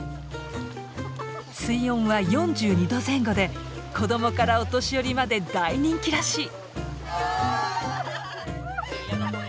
水温は４２度前後で子供からお年寄りまで大人気らしい。